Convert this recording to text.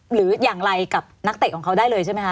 หรืออย่างไรกับนักเตะของเขาได้เลยใช่ไหมคะ